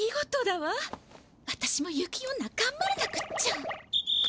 わたしも雪女がんばらなくっちゃ。